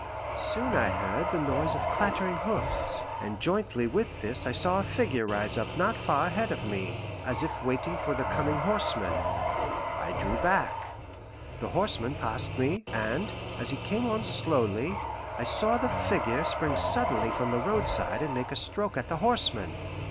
Soon I heard the noise of clattering hoofs, and jointly with this I saw a figure rise up not far ahead of me, as if waiting for the coming horseman. I drew back. The horseman passed me, and, as he came on slowly, I saw the figure spring suddenly from the roadside and make a stroke at the horseman.